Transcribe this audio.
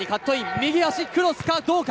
右足クロスかどうか。